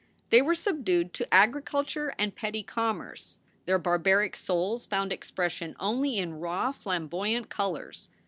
They were subdued to agriculture and petty commerce. Their barbaric souls found expression only in raw, flamboy ant colors.